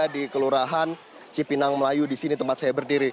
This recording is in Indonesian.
di kelurahan cipinangmelayu di sini tempat saya berdiri